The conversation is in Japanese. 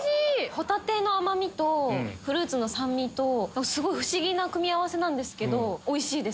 ホタテの甘みとフルーツの酸味と不思議な組み合わせですけどおいしいです。